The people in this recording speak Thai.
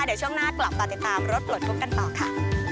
เดี๋ยวช่วงหน้ากลับมาติดตามรถปลดทุกข์กันต่อค่ะ